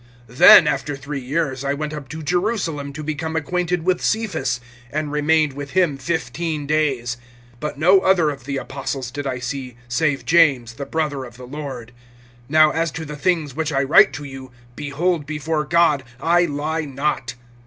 (18)Then, after three years, I went up to Jerusalem to become acquainted with Cephas, and remained with him fifteen days. (19)But no other of the apostles did I see, save James, the brother of the Lord. (20)Now as to the things which I write to you, behold before God, I lie not.